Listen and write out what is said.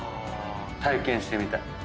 体験してみたい。